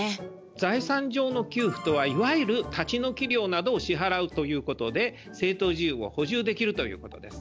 財産上の給付とはいわゆる立ち退き料などを支払うということで正当事由を補充できるということです。